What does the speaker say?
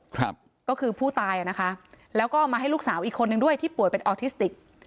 ครับก็คือผู้ตายอ่ะนะคะแล้วก็มาให้ลูกสาวอีกคนนึงด้วยที่ป่วยเป็นออทิสติก